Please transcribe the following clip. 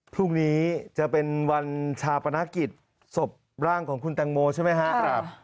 พรุ่งนี้จะเป็นวันชาปนกิจศพร่างของคุณแตงโมใช่ไหมครับ